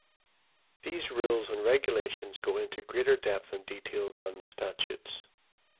These rules and regulations go into greater depth and detail than the statutes.